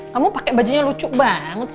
kamu pakai bajunya lucu banget